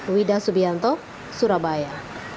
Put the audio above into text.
wida subianto surabaya